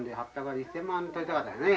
１，０００万取りたかったよね。